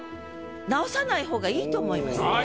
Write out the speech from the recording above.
直さない方がいいと思います。